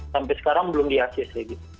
sampai sekarang belum diakses